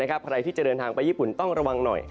ใครที่จะเดินทางไปญี่ปุ่นต้องระวังหน่อย